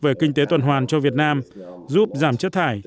về kinh tế tuần hoàn cho việt nam giúp giảm chất thải